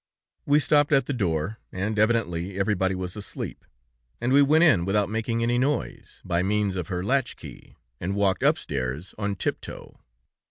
"We stopped at the door, and evidently everybody was asleep, and we went in without making any noise, by means of her latch key, and walked upstairs on tip toe.